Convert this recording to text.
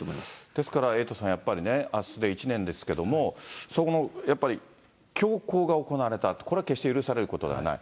ですから、エイトさん、やっぱりね、あすで１年ですけども、そこのやっぱり凶行が行われた、これは決して許されることではない。